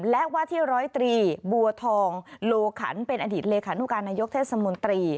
และว่าที่๑๐๓บัวทองโลขันเป็นอดีตอนเทศมนตรี